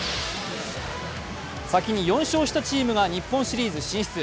先に４勝したチームが日本シリーズ進出。